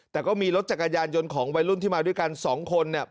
แต่ก็มีรถจักรยานยนต์ของวัยรุ่นที่มาด้วยกันสองคนเนี่ย